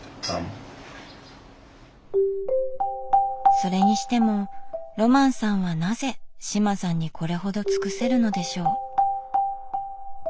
それにしてもロマンさんはなぜ志麻さんにこれほど尽くせるのでしょう？